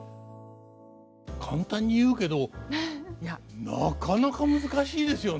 簡単に言うけどなかなか難しいですよね。